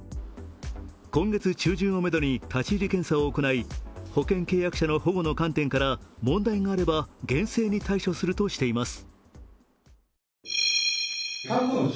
今月中旬をめどに立ち入り検査を行い保険契約者の保護の観点から問題があれば厳正に対処するとしています。